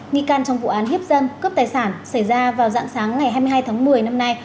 nghi can trong vụ án hiếp dâm cướp tài sản xảy ra vào dạng sáng ngày hai mươi hai tháng một mươi năm nay